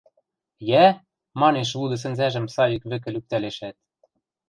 – Йӓ? – манеш, луды сӹнзӓжӹм Савик вӹкӹ лӱктӓлешӓт